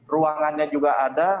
ruangannya juga ada